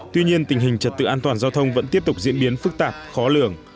tuy nhiên tình hình trật tự an toàn giao thông vẫn tiếp tục diễn biến phức tạp khó lường